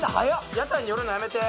屋台に寄るのやめて。